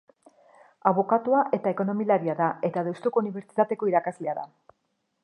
Abokatua eta ekonomialaria da eta Deustuko Unibertsitateko irakaslea da.